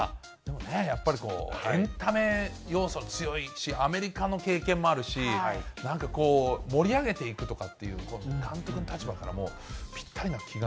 やっぱり、エンタメ要素強いし、アメリカの経験もあるし、なんかこう、盛り上げていくとかっていう監督の立場からもぴったりな気が。